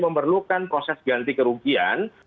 memerlukan proses ganti kerugian